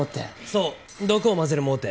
そう毒を混ぜる盲点。